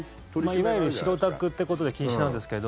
いわゆる白タクってことで禁止なんですけど。